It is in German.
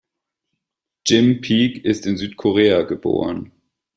Jim Peak ist in Südkorea geboren.